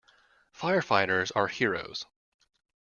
Firefighters are heroes.